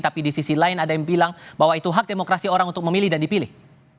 tapi di sisi lain ada yang bilang bahwa itu hak demokrasi orang untuk memilih dan dipilih